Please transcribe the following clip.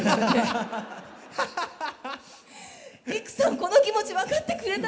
この気持ち分かってくれた？